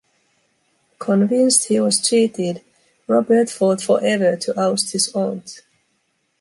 Convinced he was cheated, Robert fought forever to oust his aunt.